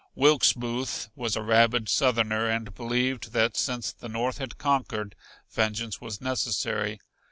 Wilkes Booth was a rabid Southerner and believed that since the North had conquered, vengeance was necessary.